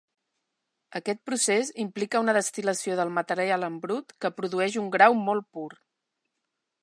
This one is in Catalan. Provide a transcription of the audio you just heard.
Aquest procés implica una destil·lació del material en brut que produeix un grau molt pur.